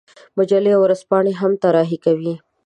مجلې او ورځپاڼې هم طراحي کوي.